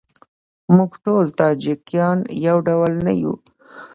موږ ټول تاجیکان یو ډول نه یوو.